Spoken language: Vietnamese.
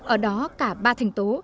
ở đó cả ba thành tố